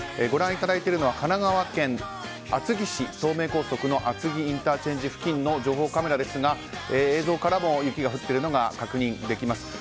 ご覧いただいているのは神奈川県厚木市東名高速の厚木ＩＣ付近の情報カメラですが映像からも雪が降っているのが確認できます。